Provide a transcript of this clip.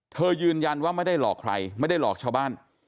ยืนยันว่าไม่ได้หลอกใครไม่ได้หลอกชาวบ้าน